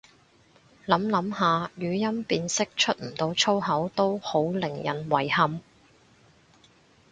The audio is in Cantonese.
諗諗下語音辨識出唔到粗口都好令人遺憾